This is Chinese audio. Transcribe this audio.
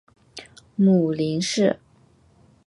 母林氏。